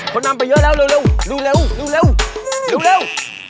คนน้ำไปเยอะแล้วเร็วเร็วเร็วเร็ว